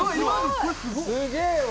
すげえわ。